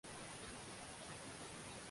Umeenda shule leo?